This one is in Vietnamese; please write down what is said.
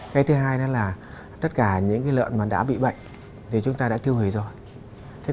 cái thứ hai là tất cả những lợn đã bị bệnh thì chúng ta đã tiêu hủy rồi